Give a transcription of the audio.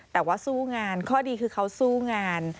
แต่ว่าสู้งานข้อดีคือเขาสู้งาน